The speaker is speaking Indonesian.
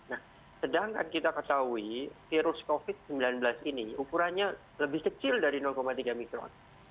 nah sedangkan kita ketahui virus covid sembilan belas ini ukurannya lebih kecil dari tiga mikron